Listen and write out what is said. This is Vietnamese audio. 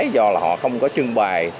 do họ không có trưng bài